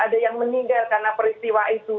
ada yang meninggal karena peristiwa itu